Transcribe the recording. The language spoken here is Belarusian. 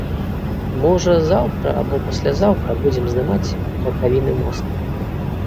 Можа, заўтра або паслязаўтра будзем здымаць бакавіны моста.